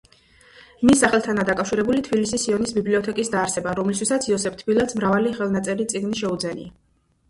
მის სახელთანაა დაკავშირებული თბილისის სიონის ბიბლიოთეკის დაარსება, რომლისთვისაც იოსებ თბილელს მრავალი ხელნაწერი წიგნი შეუძენია.